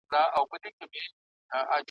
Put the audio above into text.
یوه وعده وه په اول کي مي در وسپارله `